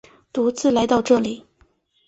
独自来到这里